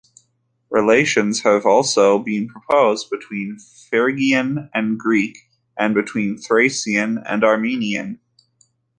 Relations have also been proposed between Phrygian and Greek, and between Thracian and Armenian.